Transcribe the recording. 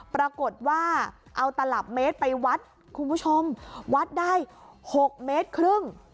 ปรากฏว่าเอาตลับเมตรไปวัดคุณผู้ชมวัดได้๖เมตรครึ่ง